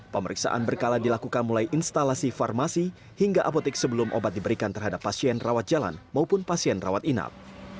pemeriksaan berkala dilakukan mulai instalasi farmasi hingga apotek sebelum obat diberikan terhadap pasien rawat jalan maupun pasien rawat inap